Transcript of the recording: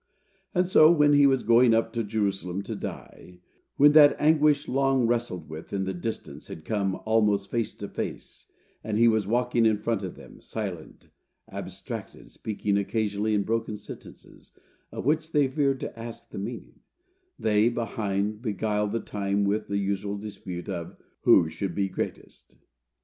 And so, when he was going up to Jerusalem to die,—when that anguish long wrestled with in the distance had come, almost face to face, and he was walking in front of them, silent, abstracted, speaking occasionally in broken sentences, of which they feared to ask the meaning,—they, behind, beguiled the time with the usual dispute of "who should be greatest."